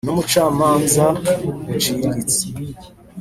n’ubucamanza bucuritse